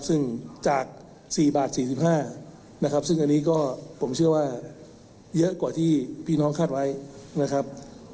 ซึ่งจาก๔บาท๔๕นะครับซึ่งอันนี้ก็ผมเชื่อว่าเยอะกว่าที่พี่น้องคาดไว้นะครับ